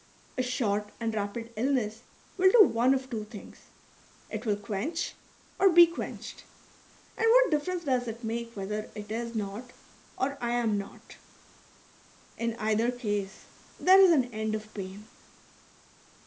A short and rapid illness will do one of two things : it will quench or be quenched. And what difference does it make whether it is not or I am not ? In either case there is an end of pain.